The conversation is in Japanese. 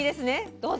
どうぞ。